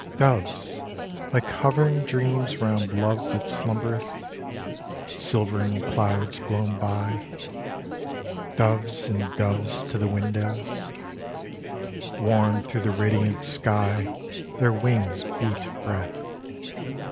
Doves, like hovering dreams round Love that slumbereth; Silvering clouds blown by, Doves and doves to the windows, Warm through the radiant sky their wings beat breath.